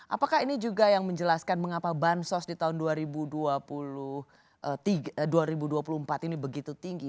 apakah ini juga yang menjelaskan mengapa bansos di tahun dua ribu dua puluh empat ini begitu tinggi